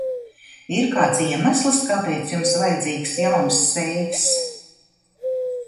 Ir kāds iemesls, kāpēc jums vajadzīgs jauns seifs?